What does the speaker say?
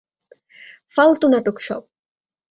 ফালতু নাটক সব।